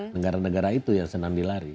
negara negara itu yang senang dilari